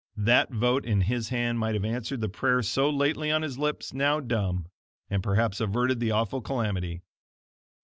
That vote in his hand might have answered the prayer so lately on his lips now dumb, and perhaps averted the awful calamity.